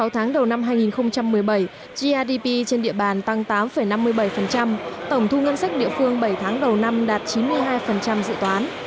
sáu tháng đầu năm hai nghìn một mươi bảy grdp trên địa bàn tăng tám năm mươi bảy tổng thu ngân sách địa phương bảy tháng đầu năm đạt chín mươi hai dự toán